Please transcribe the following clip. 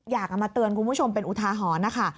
อยากเอามาเตือนคุณผู้ชมเป็นอุทาหรณ์นะคะ